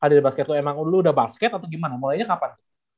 adil basket lo emang dulu udah basket atau gimana mulainya kapan